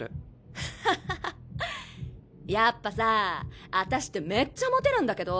ハハハやっぱさあたしってめっちゃモテるんだけど。